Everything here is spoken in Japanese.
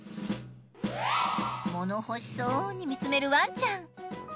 物欲しそうに見つめるワンちゃん。